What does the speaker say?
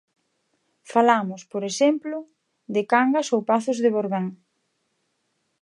Falamos, por exemplo, de Cangas ou Pazos de Borbén.